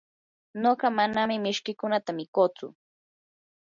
nuqa manam mishkiykunata mikutsu.